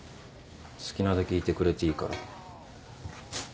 好きなだけいてくれていいから。